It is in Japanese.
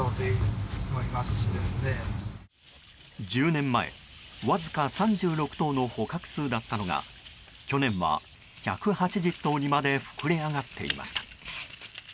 １０年前、わずか３６頭の捕獲数だったのが去年は１８０頭にまで膨れ上がっていました。